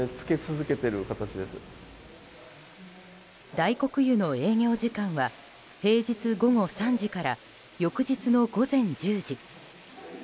大黒湯の営業時間は平日午後３時から翌日の午前１０時。